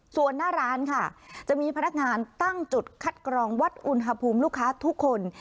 ส่วนหน้าร้านค่ะจะมีพนักงานตั้งจุดคัดกรองวัดอุณหภูมิลูกค้าทุกคน